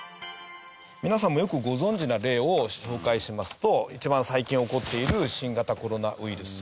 皆さんもよくご存じな例を紹介しますと一番最近起こっている新型コロナウイルス。